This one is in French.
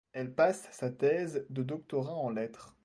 Elle passe sa thèse de doctorat en lettres.